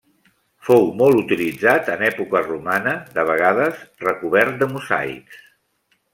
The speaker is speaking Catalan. Fou molt utilitzat en època romana, de vegades recobert de mosaics.